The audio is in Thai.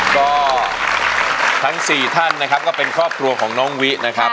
ก็ทั้ง๔ท่านนะครับก็เป็นครอบครัวของน้องวินะครับ